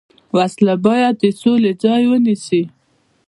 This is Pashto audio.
وسله باید د سولې ځای ونیسي